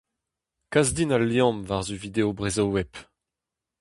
Kas din al liamm war-zu video Brezhoweb.